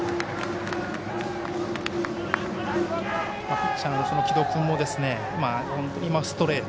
ピッチャーの城戸君も今、ストレート